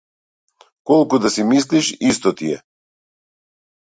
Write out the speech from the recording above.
Колку да мислиш исто ти е.